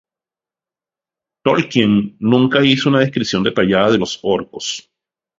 Tolkien nunca hizo una descripción detallada de los orcos.